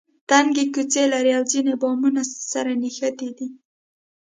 تنګې کوڅې لري او ځینې بامونه سره نښتي دي.